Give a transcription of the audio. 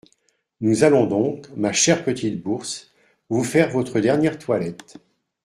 Nous allons donc, ma chère petite bourse, vous faire votre dernière toilette.